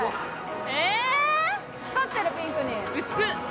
光ってるピンクに。